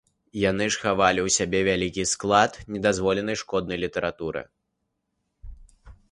Яны ж хавалі ў сябе вялікі склад недазволенай шкоднай літаратуры.